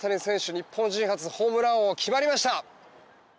日本人初のホームラン王決まりました。